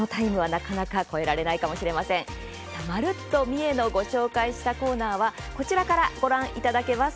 「まるっと！みえ」ご紹介したコーナーはこちらからご覧いただけます。